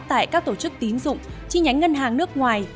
tại các tổ chức tín dụng chi nhánh ngân hàng nước ngoài